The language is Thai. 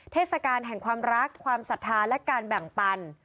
เทศกาลแห่งความรักความศรัทธาและการแบ่งปัน